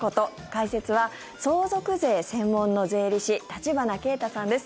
解説は相続税専門の税理士橘慶太さんです。